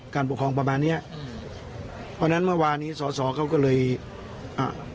การปกครองประมาณเนี้ยอืมเพราะฉะนั้นเมื่อวานี้สอสอเขาก็เลยอ่า